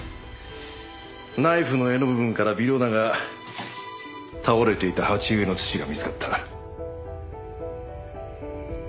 ナイフの柄の部分から微量だが倒れていた鉢植えの土が見つかった。